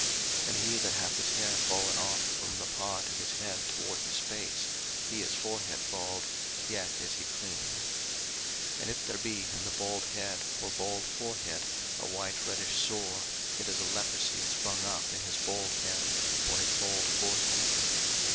03:013:041 And he that hath his hair fallen off from the part of his head toward his face, he is forehead bald: yet is he clean. 03:013:042 And if there be in the bald head, or bald forehead, a white reddish sore; it is a leprosy sprung up in his bald head, or his bald forehead.